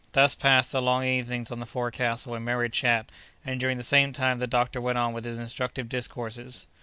Thus passed the long evenings on the forecastle in merry chat, and during the same time the doctor went on with his instructive discourses.